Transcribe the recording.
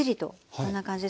こんな感じで。